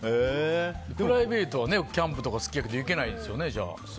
プライベートはキャンプとか好きやから行けないですよね。